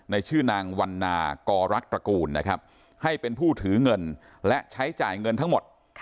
ชื่อนางวันนากรัตระกูลนะครับให้เป็นผู้ถือเงินและใช้จ่ายเงินทั้งหมด